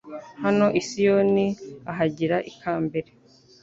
naho i Siyoni ahagira ikambere